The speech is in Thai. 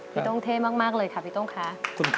พี่โต้งเท่มากเลยค่ะพี่โต้งค่ะ